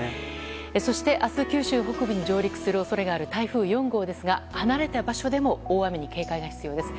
そして明日、九州北部に上陸する恐れがある台風４号ですが、離れた場所でも大雨に警戒が必要です。